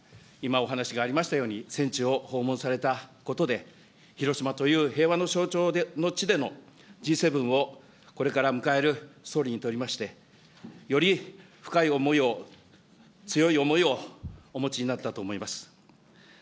今回、今、お話がありましたように、戦地を訪問されたことで、広島という平和の象徴の地でのＧ７を、これから迎える総理にとりまして、より深い思いを、強い思いをお持ちになったと思います。